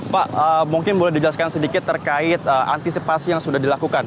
pak mungkin boleh dijelaskan sedikit terkait antisipasi yang sudah dilakukan